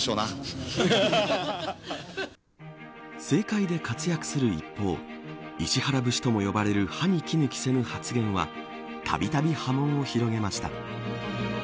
政界で活躍する一方石原節とも呼ばれる歯に衣着せぬ発言はたびたび波紋を広げました。